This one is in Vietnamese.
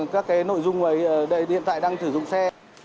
và chúng tôi sẽ hướng dẫn các nội dung hiện tại đang sử dụng xe